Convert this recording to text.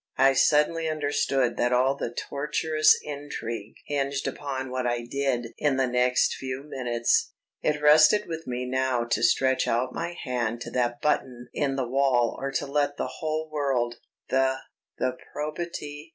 I suddenly understood that all the tortuous intrigue hinged upon what I did in the next few minutes. It rested with me now to stretch out my hand to that button in the wall or to let the whole world "the ... the probity